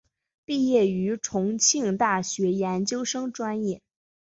毕业于重庆大学研究生专业。